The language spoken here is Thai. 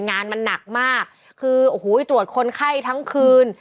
งานมันหนักมากคือโอ้โหตรวจคนไข้ทั้งคืน